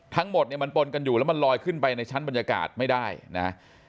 ทั้งหมดเนี่ยมันปนกันอยู่แล้วมันลอยขึ้นไปในชั้นบรรยากาศไม่ได้นะ